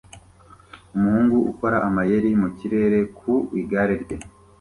Umuhungu ukora amayeri mu kirere ku igare rye